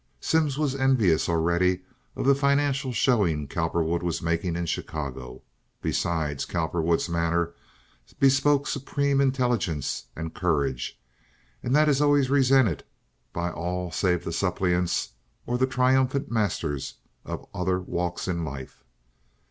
Simms was envious already of the financial showing Cowperwood was making in Chicago. Besides, Cowperwood's manner bespoke supreme intelligence and courage, and that is always resented by all save the suppliants or the triumphant masters of other walks in life.